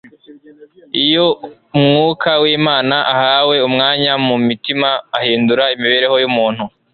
Iyo Mwuka w’Imana ahawe umwanya mu mutima, ahindura imibereho y’umuntu.